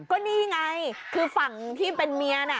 ก็นี่ไงคือฝั่งที่เป็นเมียน่ะ